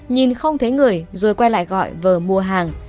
nhìn không thấy người rồi quay lại gọi vờ mua hàng